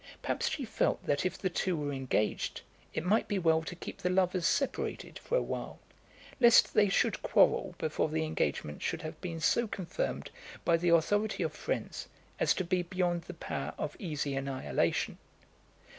Perhaps she felt that if the two were engaged, it might be well to keep the lovers separated for awhile, lest they should quarrel before the engagement should have been so confirmed by the authority of friends as to be beyond the power of easy annihilation.